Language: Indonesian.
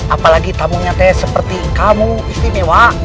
apalagi tamunya saya seperti kamu istimewa